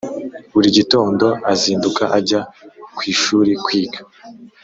burigitonndo azinduka ajya kwishuri kwiga